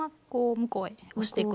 向こうへ押してくる。